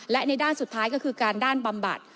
และในด้านสุดท้ายก็คือการด้านบำบัด